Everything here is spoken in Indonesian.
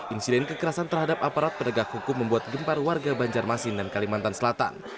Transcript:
insiden kekerasan terhadap aparat penegak hukum membuat gempar warga banjarmasin dan kalimantan selatan